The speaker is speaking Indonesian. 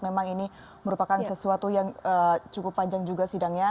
memang ini merupakan sesuatu yang cukup panjang juga sidangnya